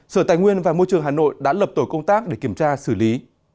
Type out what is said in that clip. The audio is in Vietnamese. sở tài nguyên và môi trường hà nội đã lập tổ công tác để kiểm tra xử lý